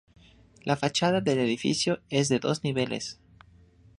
La fachada del edificio es de dos niveles.